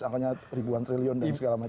angkanya ribuan triliun dan segala macam